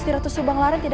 hari yang tiba